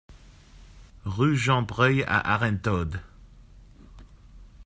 Rue Jean Breuil à Arinthod